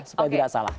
supaya tidak salah